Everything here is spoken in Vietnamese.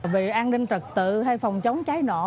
vì an ninh trật tự hay phòng chống cháy nổ